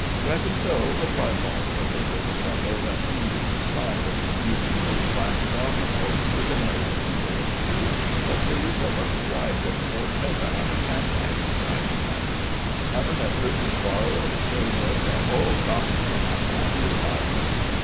"Reckon so," replied Logroller, with a chuckle that seemed to inspire even his black domino with a merry wrinkle or two. "What's the use of women's rights ef they don't ever hev a chance of exercisin' 'em? Hevin' ther purses borrowed 'ud show 'em the hull doctrine in a bran new light."